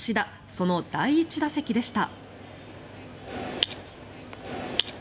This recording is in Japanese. その第１打席でした。